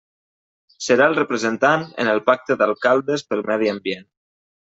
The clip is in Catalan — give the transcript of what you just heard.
Serà el representant en el Pacte d'alcaldes pel Medi Ambient.